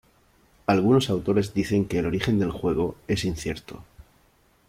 Algunos autores dicen que el origen del juego es incierto.